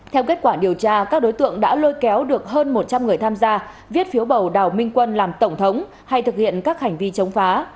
theo kết quả điều tra các đối tượng đã lôi kéo được hơn một trăm linh người tham gia viết phiếu bầu đào minh quân làm tổng thống hay thực hiện các hành vi chống phá